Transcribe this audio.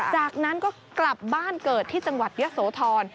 จากนั้นก็กลับบ้านเกิดที่จังหวัดยะโสธร